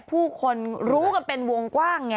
ผู้คนรู้กันเป็นวงกว้างไง